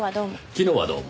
昨日はどうも。